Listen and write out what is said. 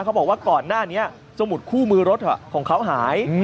เขาบอกว่าก่อนหน้านี้สมุดคู่มือรถของเขาหาย